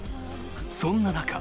そんな中。